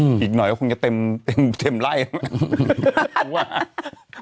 อืมอีกหน่อยก็คงจะเต็มไล่อืมอืมหรือว่า